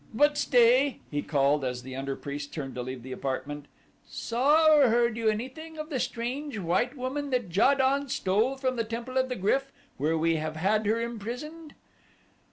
"But stay," he called as the under priest turned to leave the apartment; "saw or heard you anything of the strange white woman that Ja don stole from the Temple of the Gryf where we have had her imprisoned?"